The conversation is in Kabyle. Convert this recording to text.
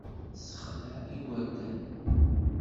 Tessexleɛ igerdan.